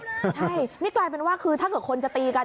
ใช่นี่กลายเป็นว่าคือถ้าเกิดคนจะตีกัน